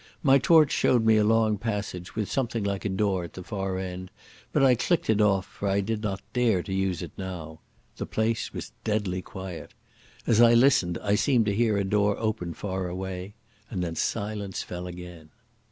My torch showed me a long passage with something like a door at the far end, but I clicked it off, for I did not dare to use it now. The place was deadly quiet. As I listened I seemed to hear a door open far away, and then silence fell again.